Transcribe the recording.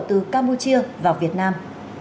từ campuchia vào việt nam